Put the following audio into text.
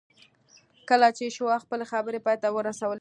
کله چې شواب خپلې خبرې پای ته ورسولې.